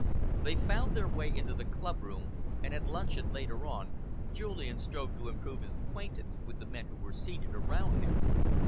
'" They found their way into the clubroom, and at luncheon, later on, Julian strove to improve his acquaintance with the men who were seated around him.